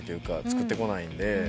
作ってこないんで。